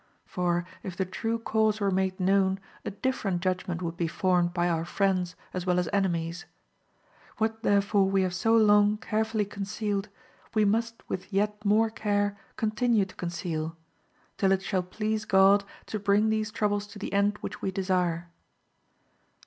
For if the true cause were made known a different judg ment would be formed by our friends as well as enemies. What therefore we have so long carefully concealed, we must with yet more care continue to conceal; till it shall please God to bring these troubles A MA BIS OF GAUL 101 to the end which we desire.